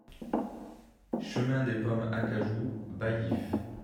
Chemin des Pommes Acajou, Baillif